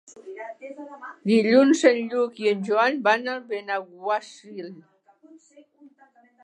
Dilluns en Lluc i en Joan van a Benaguasil.